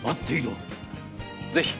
ぜひ。